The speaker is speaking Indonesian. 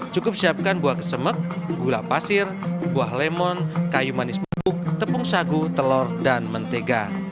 cukup siapkan buah kesemek gula pasir buah lemon kayu manis pupuk tepung sagu telur dan mentega